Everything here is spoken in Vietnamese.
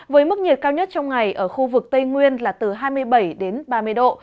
với mức nhiệt cao nhất trong ngày ở khu vực tây nguyên là từ hai mươi bảy đến ba mươi độ